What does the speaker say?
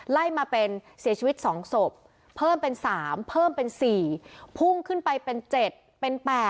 ไล่มาเป็นเสียชีวิต๒ศพเพิ่มเป็น๓เพิ่มเป็น๔พุ่งขึ้นไปเป็น๗เป็น๘